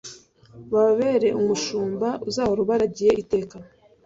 babere umushumba, uzahore ubaragiye iteka